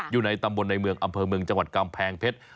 อยู่ในตำบลในเมืองอำเภอเมืองจังหวัดกำแพงเพชร